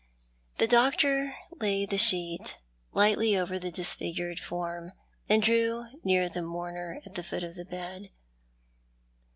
The doctor laid the sheet lightly over the disfigured form, and drew near the mourner at the foot of the bed.